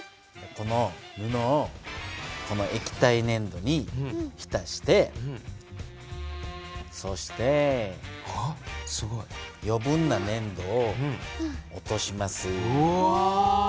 この布をこの液体ねん土にひたしてそして余分なねん土を落とします。